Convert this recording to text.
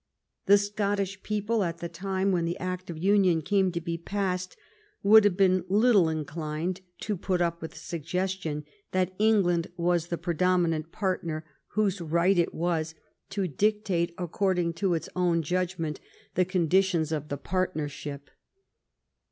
The Scottish people at the time when the act of union came to be passed would have been little inclined to put up with the suggestion that England was the predominant partner whose right it 264 FIRST PARLIAMENT OF THE UNION was to dictate, according to its own judgment, the condi tions of the partnership.